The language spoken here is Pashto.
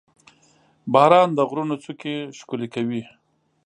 • باران د غرونو څوکې ښکلې کوي.